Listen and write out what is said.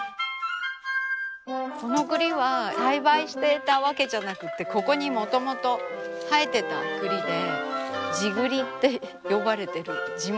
この栗は栽培してたわけじゃなくてここにもともと生えてた栗で「地栗」って呼ばれてる地元の栗。